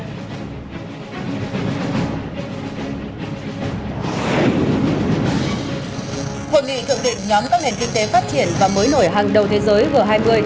hội nghị thượng đỉnh nhóm các nền kinh tế phát triển và mới nổi hàng đầu thế giới g hai mươi